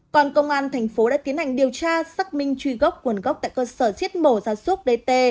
còn công an tp hcm đã tiến hành điều tra xác minh truy gốc nguồn gốc tại cơ sở diết mổ gia súc dt